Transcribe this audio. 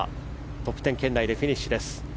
トップ１０圏内でフィニッシュです。